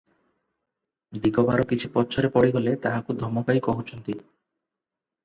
ଦିଗବାର କିଛି ପଛରେ ପଡ଼ିଗଲେ ତାହାକୁ ଧମକାଇ କହୁ ଅଛନ୍ତି